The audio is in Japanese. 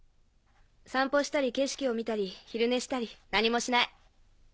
散歩したり景色を見たり昼寝したり何もしない。